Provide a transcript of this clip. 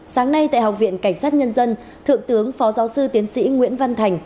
sáng nay tại học viện cảnh sát nhân dân thượng tướng phó giáo sư tiến sĩ nguyễn văn thành